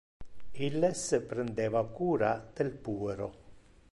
Illes prendeva cura del puero.